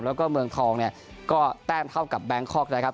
แล้วก็เมืองทองเนี่ยก็แต้มเท่ากับแบงคอกนะครับ